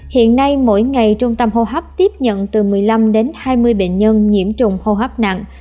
hiện nay mỗi ngày trung tâm hô hấp tiếp nhận từ một mươi năm đến hai mươi bệnh nhân nhiễm trùng hô hấp nặng